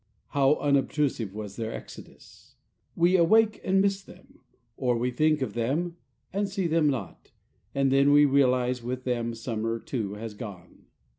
How unobtrusive was their exodus. We awake and miss them, or we think of them and see them not, and then we realize that with them summer too has gone.